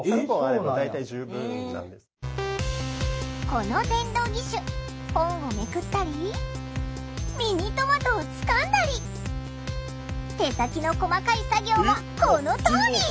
この電動義手本をめくったりミニトマトをつかんだり手先の細かい作業もこのとおり！